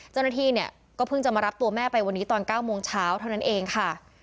เจ้าหน้าที่เนี่ยก็เพิ่งจะมารับตัวแม่ไปวันนี้ตอน๙โมงเช้าเท่านั้นเองค่ะ